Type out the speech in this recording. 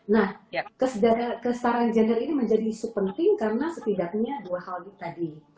nah kesetaraan gender ini menjadi isu penting karena setidaknya dua hal tadi